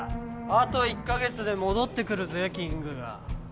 あと１カ月で戻ってくるぜキングが。